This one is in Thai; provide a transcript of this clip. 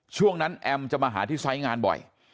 ช่วงนั้นจากนั้นแอมพาจะมาหาที่ไซซ์งานบ่อย